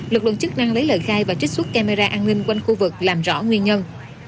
lực lượng chức năng lấy lời khai và trích xuất camera an ninh quanh khu vực làm rõ nguyên nhân